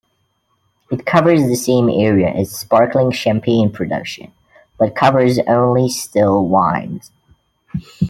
It covers the same area as sparkling Champagne production, but covers only still wines.